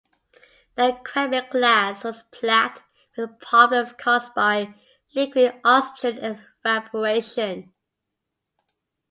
The Quebec-class was plagued with problems caused by liquid oxygen evaporation.